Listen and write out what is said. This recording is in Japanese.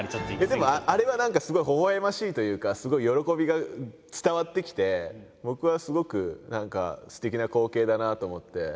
でもあれは何かすごいほほえましいというかすごい喜びが伝わってきて僕はすごく何かすてきな光景だなと思って。